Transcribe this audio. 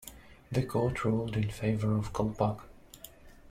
The Court ruled in favour of Kolpak.